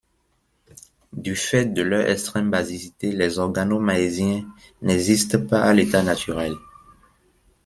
Du fait de leur extrême basicité, les organomagnésiens n'existent pas à l'état naturel.